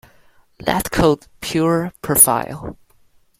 That cold, pure profile.